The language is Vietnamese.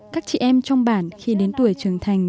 các chị em trong bản khi đến tuổi trưởng thành